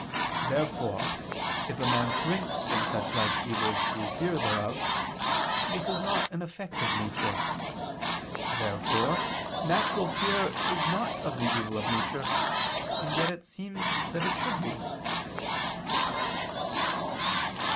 Therefore if a man shrinks from such like evils through fear thereof, this is not an effect of nature. Therefore natural fear is not of the evil of nature; and yet it seems that it should be.